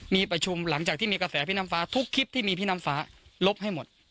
มีประชุมหลังจากที่มีกระแสพี่น้ำฟ้าทุกคลิปที่มีพี่น้ำฟ้าลบให้หมด